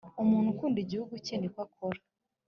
umuntu ukunda igihugu ke niko akora.